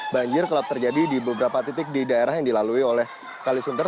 banjir kerap terjadi di beberapa titik di daerah yang dilalui oleh kalisunter